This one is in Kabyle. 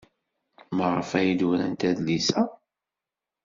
Maɣef ay d-urant adlis-a?